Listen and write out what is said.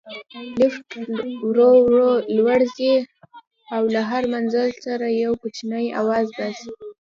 لفټ ورو ورو لوړ ځي او له هر منزل سره یو کوچنی اواز باسي.